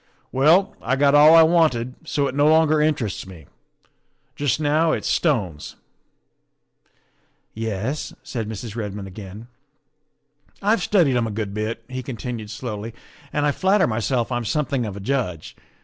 Well, I got all I wanted, so it no longer interests me. Just now it's stones." " Yes?" said Mrs. Redmond again. " I've studied 'em a good bit," he continued slowly, " and I flatter myself I'm something of a judge.